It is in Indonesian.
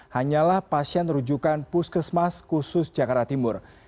hanyalah pasien rujukan puskesmas khusus jakarta timur